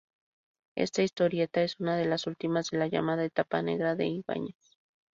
Esta historieta es una de las últimas de la llamada "etapa negra" de Ibáñez.